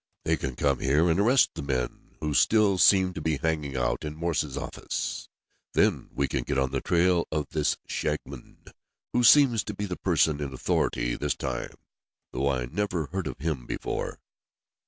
They can come here and arrest the men who still seem to be hanging out in Morse's office. Then we can get on the trail of this Shagmon, who seems to be the person in authority this time, though I never heard of him before."